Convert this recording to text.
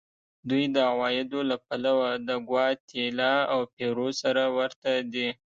دوی د عوایدو له پلوه د ګواتیلا او پیرو سره ورته دي.